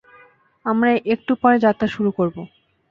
আমরা একটু পরেই যাত্রা শুরু করব।